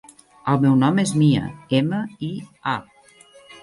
El meu nom és Mia: ema, i, a.